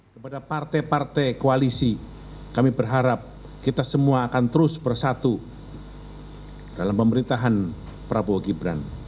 kepada partai partai koalisi kami berharap kita semua akan terus bersatu dalam pemerintahan prabowo gibran